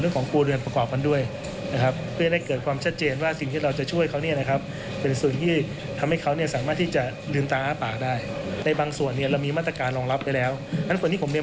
เราก็เตรียมคุยกับส่วนพนิษฐ์เอาแฟนชายมารวมแล้วก็ไปได้เลย